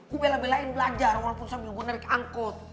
gue bela belain belajar walaupun sambil gue naik angkot